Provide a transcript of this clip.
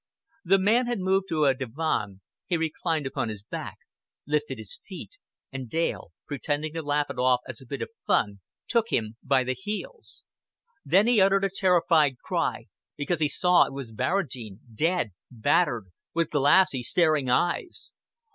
The man had moved to a divan, he reclined upon his back, lifted his feet; and Dale, pretending to laugh it off as a bit of fun, took him by the heels. Then he uttered a terrified cry because he saw it was Barradine, dead, battered, with glassy staring eyes.